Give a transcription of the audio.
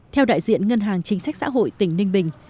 theo đại diện ngân hàng chính sách xã hội tỉnh ninh bình